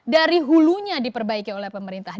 dari hulunya diperbaiki oleh pemerintah